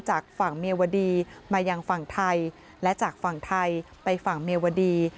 จากฝั่งเมียวดีมายังฝั่งไทยและจากฝั่งไทยไปฝั่งเมียวดี